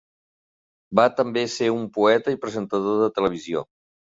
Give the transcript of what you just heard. Va també ser un poeta i presentador de televisió.